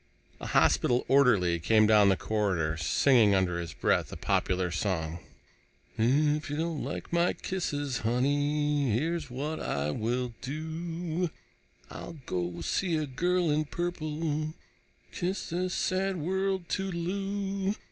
A hospital orderly came down the corridor, singing under his breath a popular song: If you don't like my kisses, honey, Here's what I will do: I'll go see a girl in purple, Kiss this sad world toodle oo.